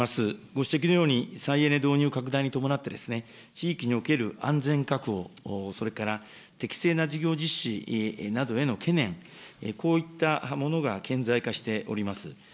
ご指摘のように、再エネ導入拡大に伴って、地域における安全確保、それから適正な事業実施などへの懸念、こういったものが顕在化しております。